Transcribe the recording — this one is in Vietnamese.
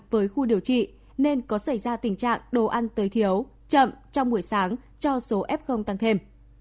với khu điều trị nên có xảy ra tình trạng đồ ăn tới thiếu chậm trong buổi sáng cho số f tăng thêm